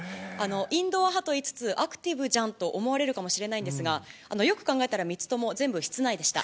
インドア派といいつつ、アクティブじゃんと思われるかもしれないんですが、よく考えたら、３つとも全部室内でした。